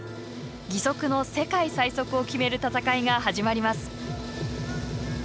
義足の世界最速を決める戦いが始まります。